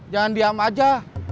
jangan diam aja